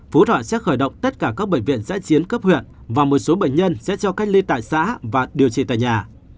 phú thọ sẽ khởi động tất cả các bệnh viện giã chiến cấp huyện và một số bệnh nhân sẽ cho cách ly tại xã và điều trị tại nhà